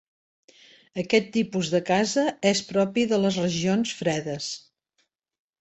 Aquest tipus de casa és propi de les regions fredes.